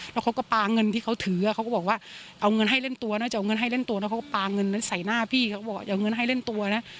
แล้วเขาก็ปลาเงินที่เขาถือเขาก็บอกว่าเอาเงินให้เล่นตัวน่าจะเอาเงินให้เล่นตัวแล้วเขาก็ปลาเงินใส่หน้าพี่เขาบอกจะเอาเงินให้เล่นตัวนะ